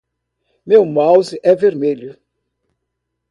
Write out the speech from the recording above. Meu mouse é vermelho